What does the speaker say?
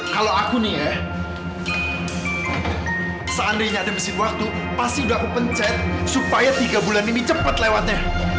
kalau aku nih ya seandainya ada mesin waktu pasti udah aku pencet supaya tiga bulan ini cepet lewatnya